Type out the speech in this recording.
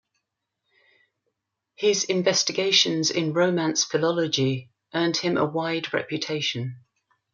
His investigations in Romance philology earned him a wide reputation.